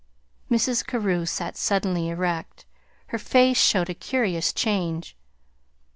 Mrs. Carew sat suddenly erect. Her face showed a curious change.